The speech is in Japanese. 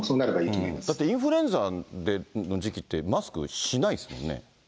だって、インフルエンザの時期ってマスクしないですもんね。